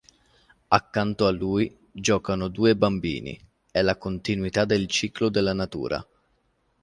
Accanto a lui, giocano due bambini: è la continuità del ciclo della natura.